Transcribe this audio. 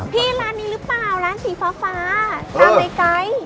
พี่ร้านนี้หรือเปล่าร้านสีฟ้าตามไกล